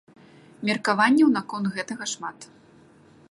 Меркаванняў наконт гэтага шмат.